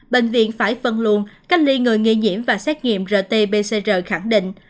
bệnh viện phải phân luồn cách ly người nghi nhiễm và xét nghiệm rt pcr khẳng định